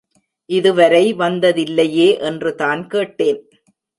இதுவரை வந்ததில்லையே என்று தான் கேட்டேன்.